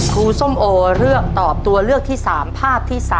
ส้มโอเลือกตอบตัวเลือกที่๓ภาพที่๓